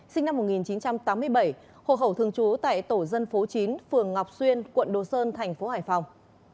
sinh năm một nghìn chín trăm tám mươi bảy hộ khẩu thường trú tại tổ dân phố chín phường ngọc xuyên quận đồ sơn thành phố hải phòng